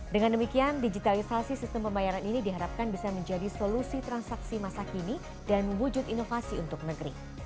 dengan demikian digitalisasi sistem pembayaran ini diharapkan bisa menjadi solusi transaksi masa kini dan mewujud inovasi untuk negeri